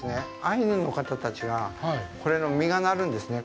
アイヌの方たちがこれの実がなるんですね。